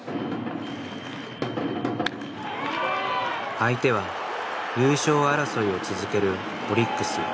相手は優勝争いを続けるオリックス。